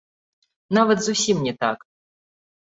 Нават зусім не так!